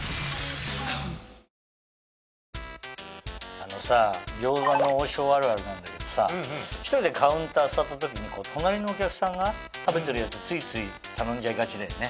あのさ餃子の王将あるあるなんだけどさ１人でカウンター座った時に隣のお客さんが食べてるやつをついつい頼んじゃいがちだよね。